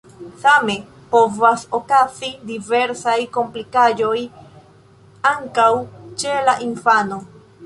Same povas okazi diversaj komplikaĵoj ankaŭ ĉe la infano.